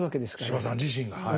司馬さん自身がはい。